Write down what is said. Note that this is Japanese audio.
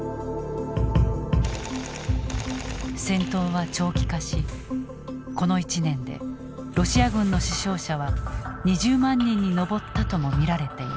戦闘は長期化しこの１年でロシア軍の死傷者は２０万人に上ったとも見られている。